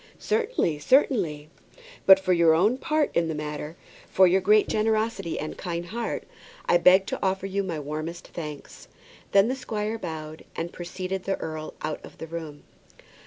"Certainly, certainly." "But for your own part in the matter, for your great generosity and kind heart, I beg to offer you my warmest thanks." Then the squire bowed low, and preceded the earl out of the room.